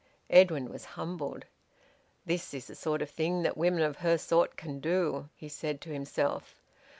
Edwin was humbled. "This is the sort of thing that women of her sort can do," he said to himself.